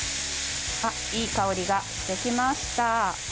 いい香りがしてきました。